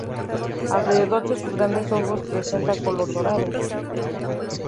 Alrededor de sus grandes ojos presenta color dorado.